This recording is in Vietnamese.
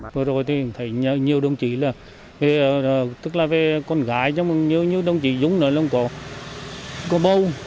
vừa rồi thì thấy nhiều đồng chí là tức là về con gái nhưng mà nhiều đồng chí dùng nữa là có bầu